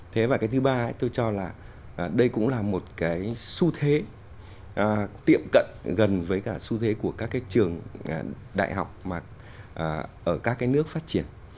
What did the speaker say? thế và cái thứ ba tôi cho là đây cũng là một cái xu thế tiệm cận gần với cả xu thế của các cái trường đại học mà ở các cái nước phát triển